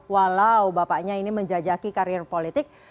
walau bapaknya ini menjajaki karir politik